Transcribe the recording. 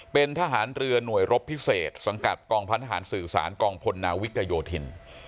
เป็นทหารเรือหน่วยรบพิเศษสังกัดกองพันธหารสื่อสารกองพลนาวิกโยธิน